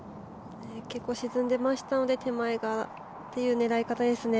結構、沈んでましたので手前側という狙い方ですね。